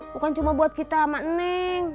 bukan cuma buat kita sama neng